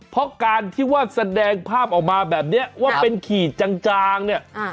เพราะการที่ว่าแสดงภาพออกมาแบบนี้ว่าเป็นขีดจางเนี่ย